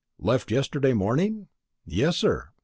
"Left yesterday morning?" "Yes, sir.